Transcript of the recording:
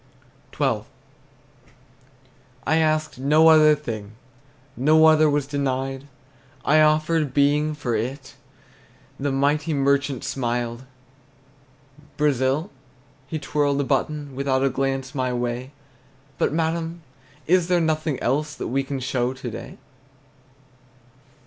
XII. I asked no other thing, No other was denied. I offered Being for it; The mighty merchant smiled. Brazil? He twirled a button, Without a glance my way: "But, madam, is there nothing else That we can show to day?"